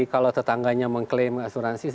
kalau tetangganya mengklaim asuransi